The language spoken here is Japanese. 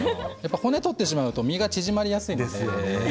骨を取ってしまうと身が縮みやすいですね。